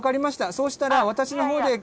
そうしたら私の方で。